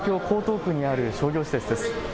江東区にある商業施設です。